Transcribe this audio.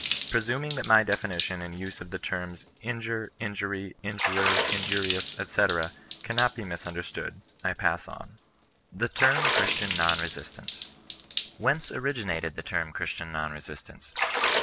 Presuming that my definition and use of the terms injure^ injury, injurer, injurious, &c., cannot be misunderstood, I pass on. THE TEBM GHBISTIAN NON BESISTANCE. Whence originated the term Christian non resistanee?